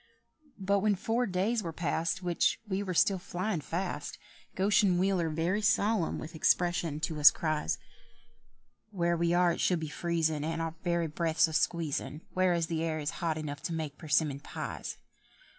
But when four days were past, Which we still were flyin' fast, Goshen Wheeler, very solemn, with expression to us cries, "Where we are it should be freezin' And our very breaths a squeezin', Whereas the air is hot enough to bake persimmon pies.